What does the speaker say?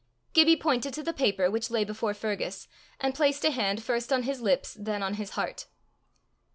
Gibbie pointed to the paper, which lay before Fergus, and placed a hand first on his lips, then on his heart.